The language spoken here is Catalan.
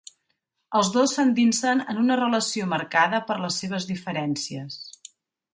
Els dos s’endinsen en una relació marcada per les seves diferències.